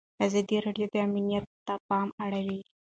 ازادي راډیو د امنیت ته پام اړولی.